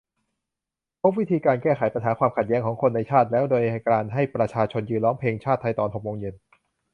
พบวิธีการแก้ไขปัญหาความขัดแย้งของคนในชาติแล้ว โดยการให้ประชาชน ยืนร้องเพลงชาติไทยตอนหกโมงเย็น